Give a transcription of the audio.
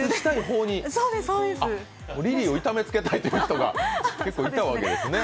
リリーを痛めつけたいという人が結構いたわけですね。